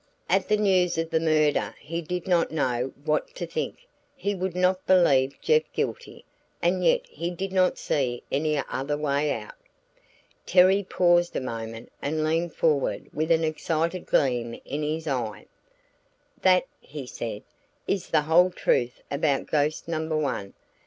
At the news of the murder he did not know what to think; he would not believe Jeff guilty, and yet he did not see any other way out." Terry paused a moment and leaned forward with an excited gleam in his eye. "That," he said, "is the whole truth about ghost number one.